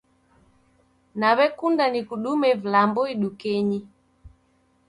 Naw'ekunda nikudume vilambo idukenyi.